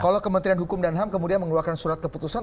kalau kementerian hukum dan ham kemudian mengeluarkan surat keputusan